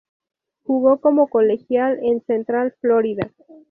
Jugo como colegial en Central Florida.